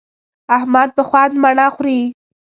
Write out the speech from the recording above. احمد په خوند مڼه خوري.